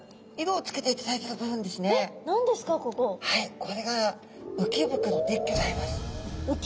これが鰾でギョざいます。